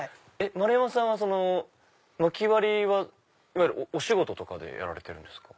丸山さんはまき割りはいわゆるお仕事でやられてるんですか？